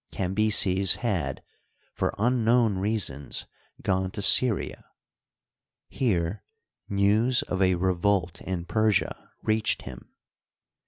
Cambyses had for unknown reasons gone to Syria. Here news of a revolt in Persia reached him.